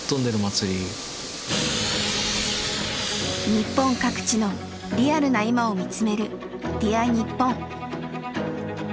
日本各地のリアルな今を見つめる「Ｄｅａｒにっぽん」。